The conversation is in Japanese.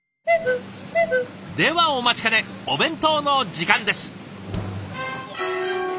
ではお待ちかねお弁当の時間です。